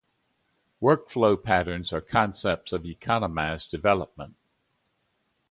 Workflow patterns are concepts of economised development.